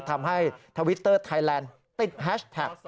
ทวิตเตอร์ไทยแลนด์ติดแฮชแท็ก